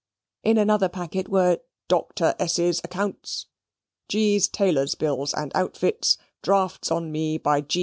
In another packet were "Dr. S.'s accounts" "G.'s tailor's bills and outfits, drafts on me by G.